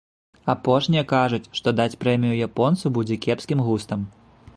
Апошнія кажуць, што даць прэмію японцу будзе кепскім густам.